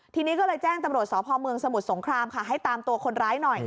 ทีนี้ก็เลยแจ้งตำรวจสพเมืองสมุทรสงครามค่ะให้ตามตัวคนร้ายหน่อย